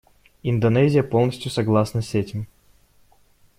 Индонезия полностью согласна с этим.